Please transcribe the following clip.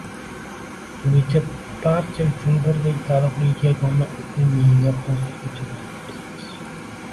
bo‘yicha barcha uchun birdek taalluqli yagona huquqiy me’yor hozirgacha mavjud emas.